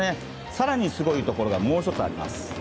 更にすごいところがもう１つあります。